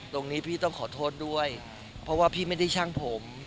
ตรงนี้พี่ต้องขอโทษด้วยเพราะว่าพี่ไม่ได้ช่างผม